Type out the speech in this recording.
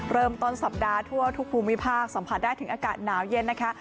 เริ่มต้นสัปดาห์ทั่วทุกภูมิภาคสัมผัสได้ถึงอากาศหนาวเย็นนะคะ